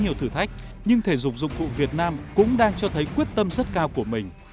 nhiều thử thách nhưng thể dục dụng cụ việt nam cũng đang cho thấy quyết tâm rất cao của mình